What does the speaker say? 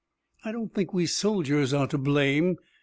I don't think we soldiers are to blame.